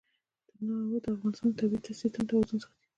تنوع د افغانستان د طبعي سیسټم توازن ساتي.